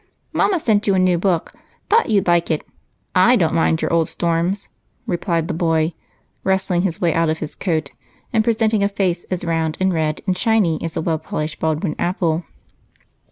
"Mama sent you a new book thought you'd like it. I don't mind your old storms!" replied the boy, wrestling his way out of his coat and presenting a face as round and red and shiny as a well polished Baldwin apple.